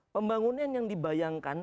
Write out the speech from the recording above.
pembangunan yang dibayangkan